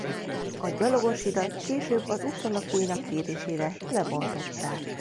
A gyalogos hidat később az utca lakóinak kérésére lebontották.